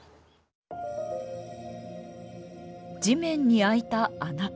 地面に開いた穴。